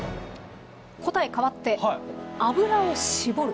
答え変わって「油をしぼる」。